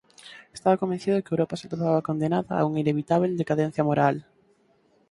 Estaba convencido de que Europa se atopaba condenada a unha inevitábel decadencia moral.